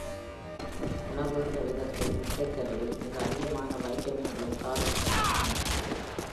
உணவு என்ற விதத்தில் முட்டைக் கருவில மிக அதிகமான வைட்டமின்களும் தாதுக்களும் இருக்கின்றன.